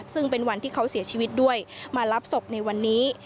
ซึ่งเป็นวันที่เขาเสียชีวิตด้วยมารับศพในวันนี้